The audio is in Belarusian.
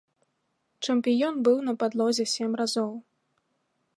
Чэмпіён быў на падлозе сем разоў.